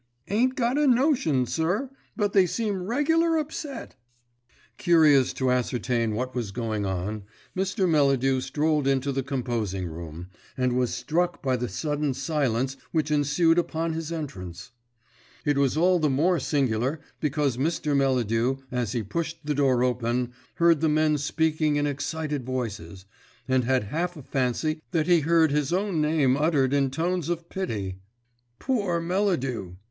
"Ain't got a notion, sir; but they seem regular upset." Curious to ascertain what was going on, Mr. Melladew strolled into the composing room, and was struck by the sudden silence which ensued upon his entrance. It was all the more singular because Mr. Melladew, as he pushed the door open, heard the men speaking in excited voices, and had half a fancy that he heard his own name uttered in tones of pity. "Poor Melladew!"